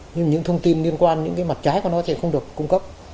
nhưng những thông tin liên quan những cái mặt trái của nó sẽ không được cung cấp